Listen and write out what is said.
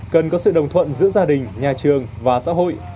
cần có sự đồng thuận giữa gia đình nhà trường và xã hội